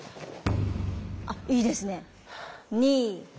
１あっいいですね。